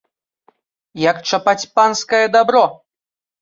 Як чапаць панскае дабро!